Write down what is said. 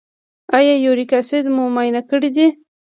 ایا یوریک اسید مو معاینه کړی دی؟